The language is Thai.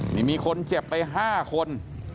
นี่มีคนเจ็บไป๕คน